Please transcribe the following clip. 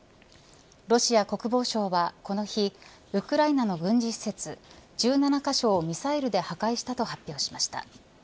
ロシア国防省はこの日ウクライナの軍事施設１７カ所をミサイルで破壊したと発表しました。